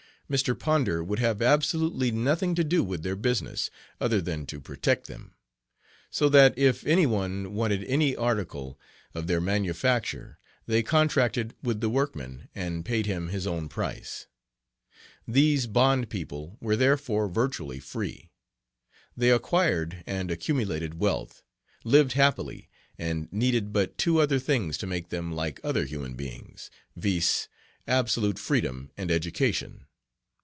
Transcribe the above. Mr. Ponder would have absolutely nothing to do with their business other than to protect them. So that if any one wanted any article of their manufacture they contracted with the workman and paid him his own price. These bond people were therefore virtually free. They acquired and accumulated wealth, lived happily, and needed but two other things to make them like other human beings, viz., absolute freedom and education.